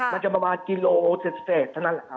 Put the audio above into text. มันจะประมาณกิโลเศษทั้งนั้นแหละครับ